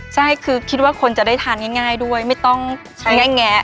ใช่คือคิดว่าคนจะได้ทานง่ายด้วยไม่ต้องใช้แงะ